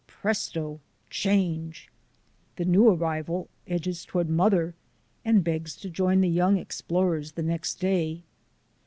Presto! Change! The new arrival edges toward mother and begs to join the young explorers next day.